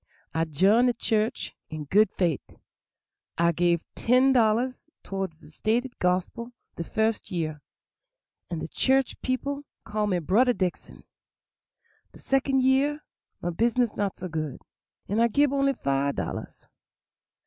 I jined de church in good fait'; I gave ten dollars toward the stated gospil de first year, and de church people call me 'Brudder Dickson'; de second year my business not so good, and I gib only five dollars.